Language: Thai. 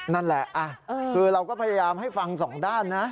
นั่นแหละคือเราก็พยายามให้ฟังสองด้านนะ